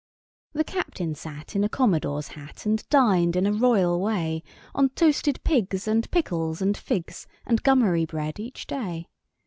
The captain sat in a commodore's hat And dined, in a royal way, On toasted pigs and pickles and figs And gummery bread, each day.